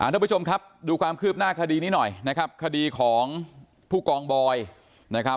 ทุกผู้ชมครับดูความคืบหน้าคดีนี้หน่อยนะครับคดีของผู้กองบอยนะครับ